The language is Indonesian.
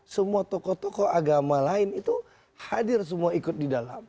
semua tokoh tokoh agama lain itu hadir semua ikut di dalam